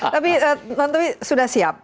tapi nanti sudah siap